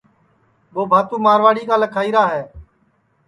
ٻو بھاتو مارواڑی کا لکھائیرا ہے